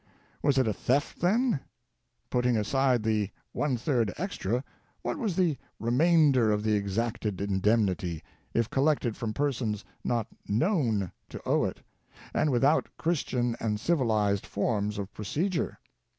Was it a theft, then ? Putting aside the "one third extra," what was the remainder of the exacted indemnity, if collected from persons not known to owe it, and without Christian and civilized forms of procedure